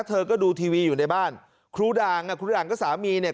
เธอก็ดูทีวีอยู่ในบ้านครูด่างอ่ะครูด่างก็สามีเนี่ย